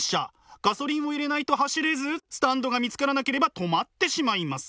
ガソリンを入れないと走れずスタンドが見つからなければ止まってしまいます。